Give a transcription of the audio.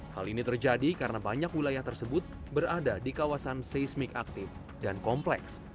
hal ini terjadi karena banyak wilayah tersebut berada di kawasan seismik aktif dan kompleks